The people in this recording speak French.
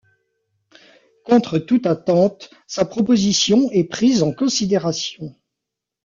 Contre toute attente, sa proposition est prise en considération.